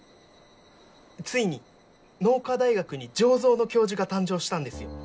ついに農科大学に醸造の教授が誕生したんですよ。